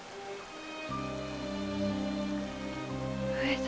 上様。